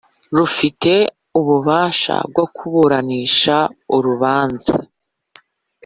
rufite ububasha bwo kuburanisha urubanza